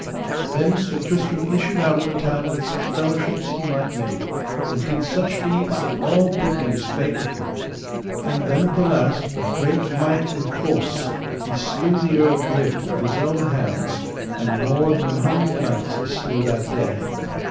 Then Sir Tristram issued out of the town with such fellowship as he might make, and did such deeds that all Brittany spake of him. And then, at the last, by great might and force, he slew the Earl Grip with his own hands, and more than an hundred knights he slew that day.